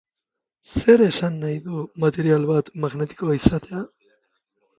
Zer esan nahi du material bat magnetikoa izatea?